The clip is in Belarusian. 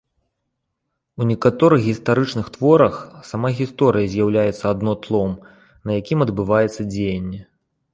У некаторых гістарычных творах сама гісторыя з'яўляецца адно тлом, на якім адбываецца дзеянне.